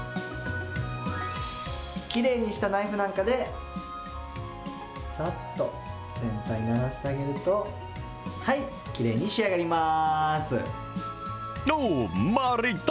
きれいにしたナイフなんかで、さっと全体ならしてあげると、はい、きれいに仕上がります。